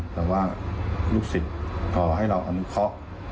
แต่ว่าลูกศิษย์ขอให้เราอนุเคาะ